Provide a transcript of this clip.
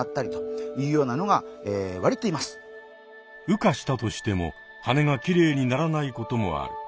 羽化したとしてもはねがきれいにならないこともある。